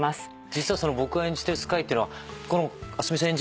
実は僕が演じてるスカイっていうのはこの明日海さん